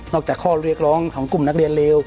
จากข้อเรียกร้องของกลุ่มนักเรียนเลว